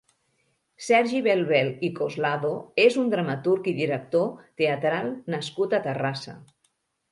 Sergi Belbel i Coslado és un dramaturg i director teatral nascut a Terrassa.